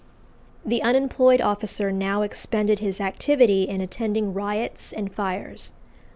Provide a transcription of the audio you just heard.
The unemployed officer now expended his activity in attending riots and fires.